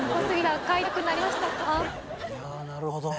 いやなるほどね。